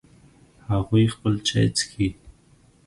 هغوی خپل چای څښي